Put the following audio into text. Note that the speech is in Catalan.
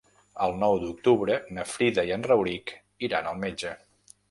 El nou d'octubre na Frida i en Rauric iran al metge.